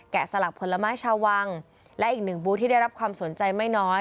สลักผลไม้ชาววังและอีกหนึ่งบูธที่ได้รับความสนใจไม่น้อย